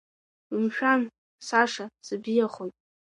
Умшәан, Саша, сыбзиахоит!